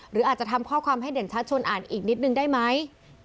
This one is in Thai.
หรืออาจจะทำข้อความให้เด่นชัดชวนอ่านอีกนิดนึงได้ไหม